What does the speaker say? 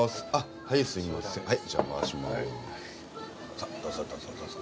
さあどうぞどうぞどうぞ。